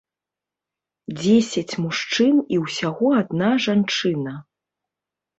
Дзесяць мужчын і ўсяго адна жанчына.